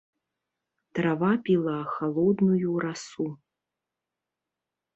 Трава піла халодную расу.